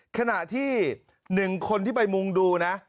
ขณะที่๑คนที่ไปมุ่งดูนะ